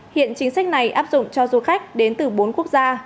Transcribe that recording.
hiện chính sách này áp dụng cho du khách đến từ bốn quốc gia